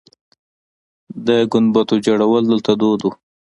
د ګنبدو جوړول دلته دود و